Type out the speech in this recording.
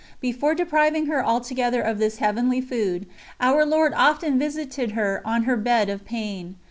Before depriving her altogether of this Heavenly Food, Our Lord often visited her on her bed of pain.